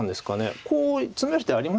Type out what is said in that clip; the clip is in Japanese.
こうツメる手ありますか。